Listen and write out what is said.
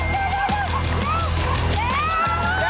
เร็วเข้า